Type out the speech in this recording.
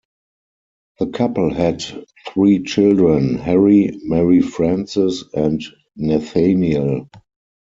The couple had three children, Harry, Mary Frances, and Nathaniel.